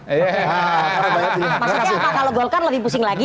maksudnya apa kalau golkar lebih pusing lagi